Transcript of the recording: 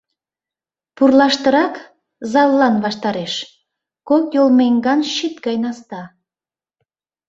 Пурлаштырак, заллан ваштареш, кок йолмеҥган щит гай наста.